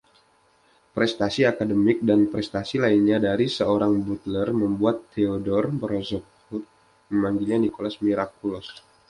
Prestasi akademik dan prestasi lainnya dari seorang Butler membuat Theodore Roosevelt memanggilnya Nicholas Miraculous.